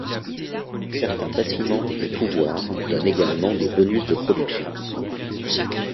Certains bâtiments et pouvoirs donnent également des bonus de production.